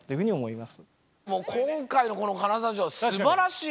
もう今回のこの金沢城はすばらしい！